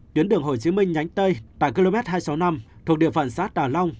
tuyến đường hồ chí minh nhánh tây tại km hai trăm sáu mươi năm thuộc địa phận xã đà long